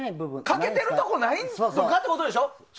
欠けているところはないのかってことでしょ？